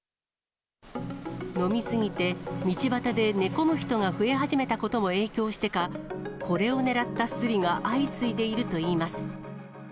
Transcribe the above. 飲み過ぎて道端で寝込む人が増え始めたことも影響してか、これを狙ったスリが相次いでいるといいます。